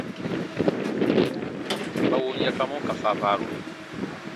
Ba wom yakamɔ ka faafaaru.